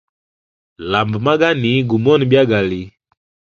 Lamba magani gumone byagali.